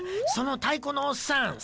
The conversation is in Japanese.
その太鼓のおっさん